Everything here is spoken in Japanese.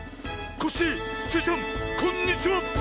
コッシースイちゃんこんにちは！